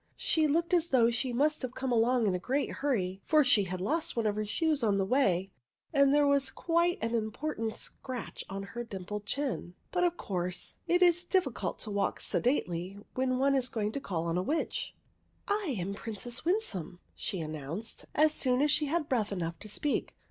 She looked as though she must have come along in a great hurry, for she had lost one of her shoes on the way and there was quite an important scratch on her dimpled chin ; but, of course, it is diffi cult to walk sedately when one is going to call on a witch. " I am Princess Winsome," she announced, as soon as she had breath enough to speak.